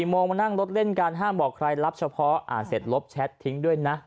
โมงมานั่งรถเล่นการห้ามบอกใครรับเฉพาะอ่านเสร็จลบแชททิ้งด้วยนะ